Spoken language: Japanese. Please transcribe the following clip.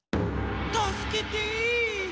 たすけて！